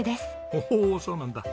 おおそうなんだ。